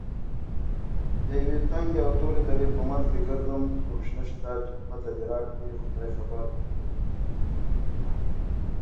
Julian Cope's Head Heritage described it as Tangerine Dream's "transitional album".